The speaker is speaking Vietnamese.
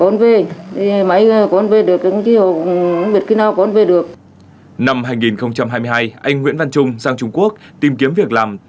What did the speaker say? năm hai nghìn hai mươi hai anh nguyễn văn trung sang trung quốc tìm kiếm việc làm